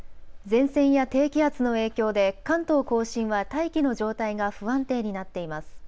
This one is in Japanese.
前線や低気圧の影響で関東甲信は大気の状態が不安定になっています。